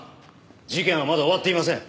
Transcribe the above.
事件はまだ終わっていません。